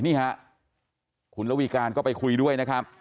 นี่ฮะคุณระวีการก็ไปคุยด้วยนะครับ